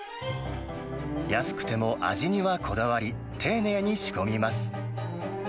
安くても味にはこだわり、丁寧に仕込みます。